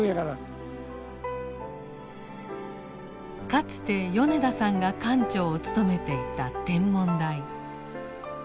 かつて米田さんが館長を務めていた天文台。